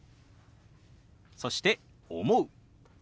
そして「思う」。